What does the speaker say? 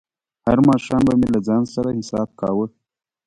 هر ماښام به مې له ځان سره حساب کاوه.